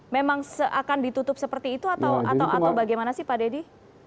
memang seakan ditutup seperti itu atau bagaimana sih pak dedy